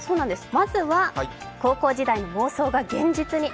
まずは、高校時代の妄想が現実に。